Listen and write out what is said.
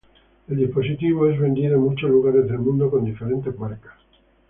El dispositivo es vendido en muchos lugares del mundo con diferentes Marcas.